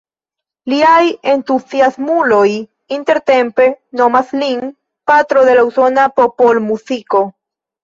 Liaj entuziasmuloj intertempe nomas lin „patro de la usona popolmuziko“.